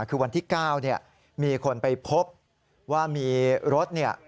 คือวันที่๙